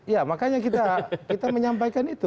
ya makanya kita menyampaikan itu